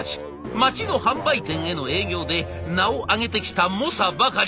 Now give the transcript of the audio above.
街の販売店への営業で名をあげてきた猛者ばかり。